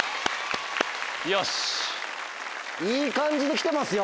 いい感じで来てますよ。